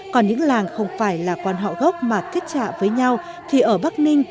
còn những làng không phải là quan họ gốc mà kết chạ với nhau thì ở bắc ninh